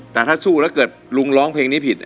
แต่ถ้าสู้แล้วเกิดลุงร้องเพลงนี้ผิด